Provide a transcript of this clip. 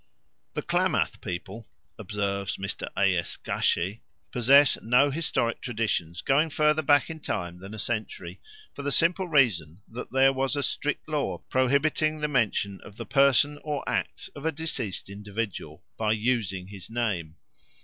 "The Klamath people," observes Mr. A. S. Gatschet, "possess no historic traditions going further back in time than a century, for the simple reason that there was a strict law prohibiting the mention of the person or acts of a deceased individual by _using his name.